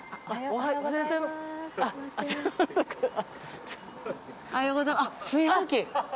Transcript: おはようござあっ炊飯器。